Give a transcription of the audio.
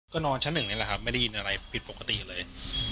ก็นอนชั้นหนึ่งนี่แหละครับไม่ได้ยินอะไรผิดปกติเลย